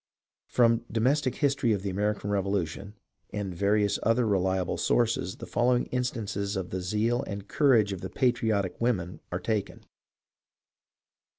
From " Domestic History of the American Revolution " and various other reliable sources the following instances of the zeal and courage of the patriotic women are taken.